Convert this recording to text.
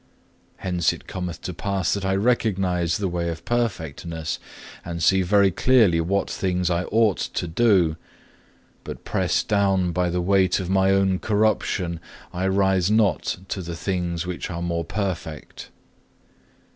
Hence it cometh to pass that I recognize the way of perfectness, and see very clearly what things I ought to do; but pressed down by the weight of my own corruption, I rise not to the things which are more perfect.